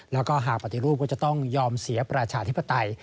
แล้วก็หากปฏิรูปก็จะต้องยอมเสียประชาธิปไตย